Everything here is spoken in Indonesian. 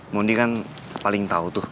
mondi kan paling tau tuh